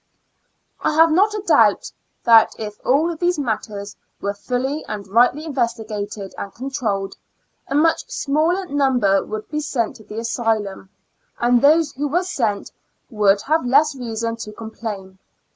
I have not a doubt, that if all these matters were fully and rightly investigated and controlled, a much smaller number would be sent to the asylum, and those who were sent would have less reason to complain.